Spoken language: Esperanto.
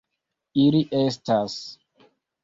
Ili estas.